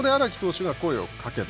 そこで荒木投手が声をかけた。